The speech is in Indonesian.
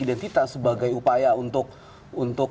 identitas sebagai upaya untuk